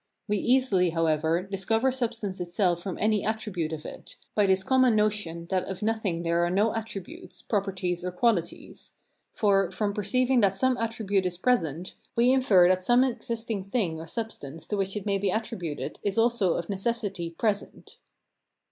We easily, however, discover substance itself from any attribute of it, by this common notion, that of nothing there are no attributes, properties, or qualities: for, from perceiving that some attribute is present, we infer that some existing thing or substance to which it may be attributed is also of necessity present.